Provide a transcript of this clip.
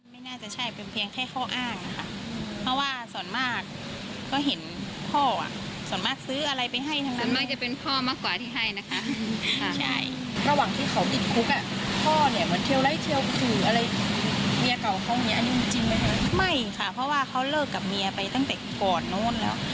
ไม่จริงค่ะเพราะว่าเขาเลิกกับเมียไปตั้งแต่ก่อนโน้นแล้ว